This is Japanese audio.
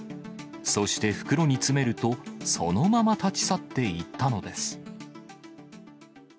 そして袋に詰めると、そのまま立ち去っていったのです。